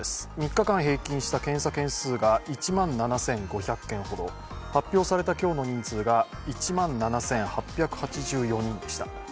３日間平均した検査件数が１万７５００件ほど発表された今日の人数が１万７８８４人でした。